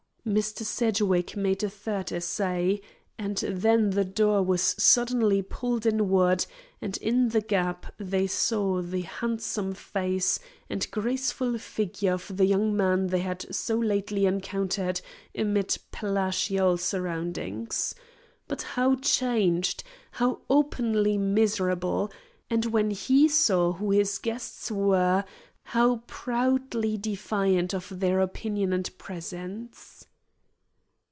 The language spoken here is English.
Mr. Sedgwick made a third essay, and then the door was suddenly pulled inward and in the gap they saw the handsome face and graceful figure of the young man they had so lately encountered amid palatial surroundings. But how changed! how openly miserable! and when he saw who his guests were, how proudly defiant of their opinion and presence.